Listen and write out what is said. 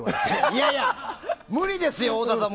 いやいや無理ですよ、太田さん